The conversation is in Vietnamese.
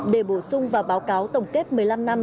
để bổ sung và báo cáo tổng kết một mươi năm năm